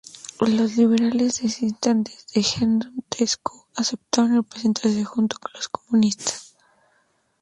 Los liberales disidentes de Gheorghe Tătărescu aceptaron presentarse junto a los comunistas.